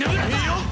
「よっ！